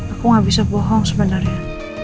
aku gak bisa bohong sebenarnya